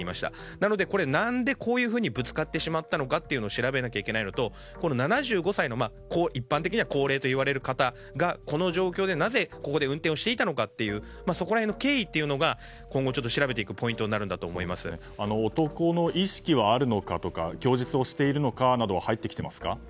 なので何でこういうふうにぶつかってしまったのか調べなきゃいけないのと７５歳の一般的には高齢と言われる方がこの状況でなぜここで運転をしていたのかというそこら辺の経緯が今後、調べていく男の意識はあるのかとか供述をしているのかなどは入ってきていますか？